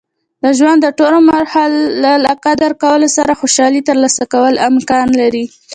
د ژوند د ټول مراحل له قدر کولو سره خوشحالي ترلاسه کول امکان لري.